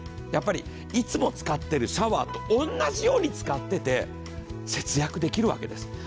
やっぱりいつも使ってるシャワーと同じように使ってて節約できるわけです。